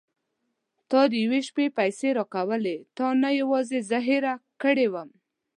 تا د یوې شپې پيسې راکولې تا نه یوازې زه هېره کړې وم.